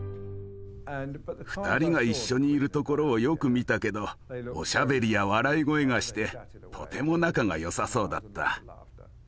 ２人が一緒にいるところをよく見たけどおしゃべりや笑い声がしてとても仲が良さそうだった。